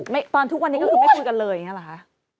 ตอนทุกวันนี้ก็คือไม่คุยกันเลยอย่างนี้หรอคะ